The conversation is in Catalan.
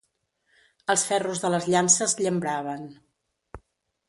Els ferros de les llances llambraven.